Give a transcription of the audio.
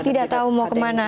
tidak tahu mau kemana